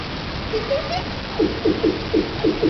Sanosuke beats them up on both occasions.